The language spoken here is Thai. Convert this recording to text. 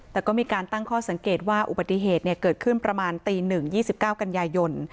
แต่ก็มีการตั้งข้อสังเกตว่าอุบัติเหตุเกิดขึ้นประมาณตี๑๒๙กันยายน